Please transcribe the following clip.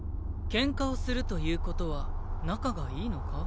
喧嘩をするということは仲がいいのか？